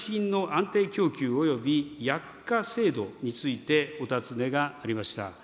そして、医薬品の安定供給および薬価制度についてお尋ねがありました。